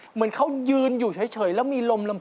เหมือนเขายืนอยู่เฉยแล้วมีลมลำ